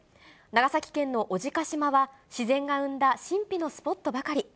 長崎県の小値賀島は、自然が生んだ神秘のスポットばかり。